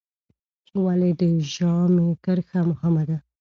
ولې د ژامې کرښه مهمه ده؟